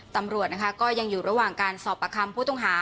ตำรวจนะคะก็ยังอยู่ระหว่างการสอบประคำผู้ต้องหา